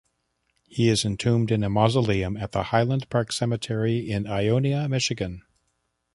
He is entombed in a mausoleum at the Highland Park Cemetery in Ionia, Michigan.